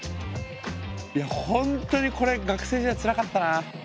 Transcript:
いや本当にこれ学生時代つらかったな。